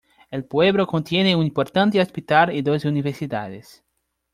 El pueblo contiene un importante hospital y dos universidades.